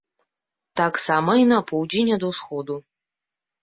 Таксама і на поўдзень ад усходу.